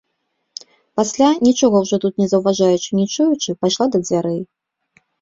Пасля, нічога ўжо тут не заўважаючы і не чуючы, пайшла да дзвярэй.